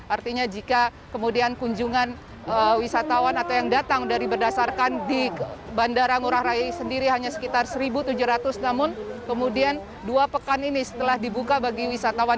artinya jika kemudian kunjungan wisatawan atau yang datang dari berdasarkan di bandara ngurah rai sendiri hanya sekitar satu tujuh ratus namun kemudian dua pekan ini setelah dibuka bagi wisatawan